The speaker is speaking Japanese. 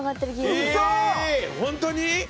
え本当に！？